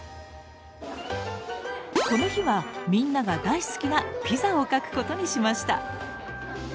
この日はみんなが大好きなピザを描くことにしました。